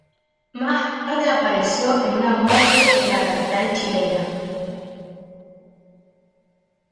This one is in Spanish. Más tarde apareció en una morgue en la capital chilena.